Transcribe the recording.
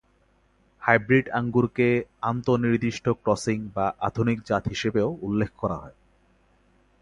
Hybrid আঙুরকে আন্তঃ-নির্দিষ্ট crossing বা আধুনিক জাত হিসেবেও উল্লেখ করা হয়।